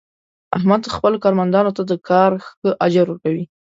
احمد خپلو کارمندانو ته د کار ښه اجر ور کوي.